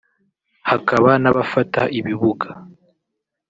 hakaba n’abafata ibibuga